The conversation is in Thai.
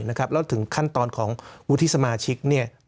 แล้วถึงขั้นตอนของวุฒิสมาชิก